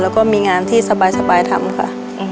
แล้วก็มีงานที่สบายทำค่ะ